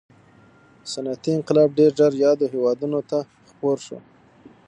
صنعتي انقلاب ډېر ژر یادو هېوادونو ته خپور شو.